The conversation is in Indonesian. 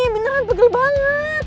beneran pegel banget